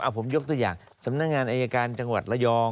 ผมยกตัวอย่างสำนักงานอายการจังหวัดระยอง